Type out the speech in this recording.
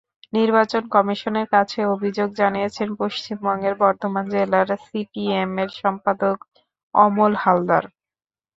নির্বাচন কমিশনের কাছে অভিযোগ জানিয়েছেন পশ্চিমবঙ্গের বর্ধমান জেলার সিপিএমের সম্পাদক অমল হালদার।